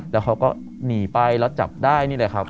แล้วเขาก็หนีไปแล้วจับได้นี่แหละครับ